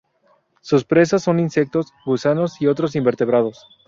Sus presas son insectos, gusanos y otros invertebrados.